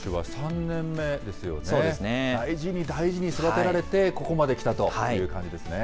大事に大事に育てられて、ここまできたという感じですね。